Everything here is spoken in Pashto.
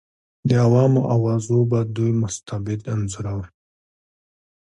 د عوامو اوازو به دوی مستبد انځورول.